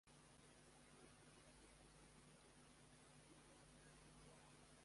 காலையில் வந்தாள் வீரம்மாள்.